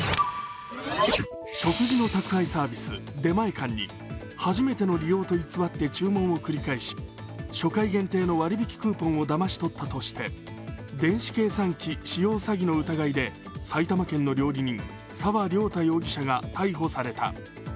食事の宅配サービス、出前館に初めての利用と偽って注文を繰り返し、初回限定の割引クーポンをだまし取ったとして電子計算機使用詐欺の疑いで埼玉県の料理人、沢涼太容疑者が逮捕された。